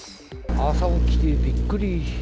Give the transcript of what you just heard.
朝起きてびっくり。